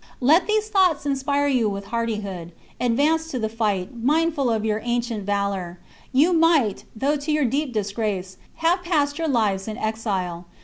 " Let these thoughts inspire you with hardihood ; advance to the fight, mindful of your ancient valour. You might, though to your deep disgrace, have passed your lives in exile.